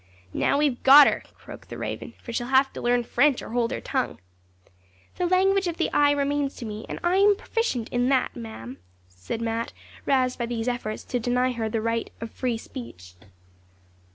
'Now we've got her!' croaked the Raven; 'for she will have to learn French or hold her tongue.' 'The language of the eye remains to me, and I am a proficient in that, ma'am,' said Mat, roused by these efforts to deny her the right of free speech.